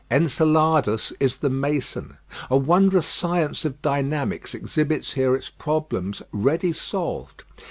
Enceladus is the mason. A wondrous science of dynamics exhibits here its problems ready solved.